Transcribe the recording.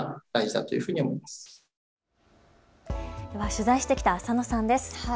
取材してきた浅野さんです。